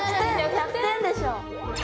１００点でしょ。